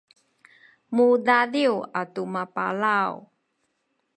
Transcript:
mudadiw atu mapalaw